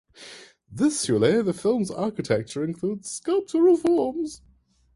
Visually, the firm's architecture includes sculptural forms.